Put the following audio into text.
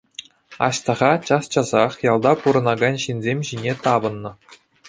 Аҫтаха час-часах ялта пурӑнакан ҫынсем ҫине тапӑннӑ.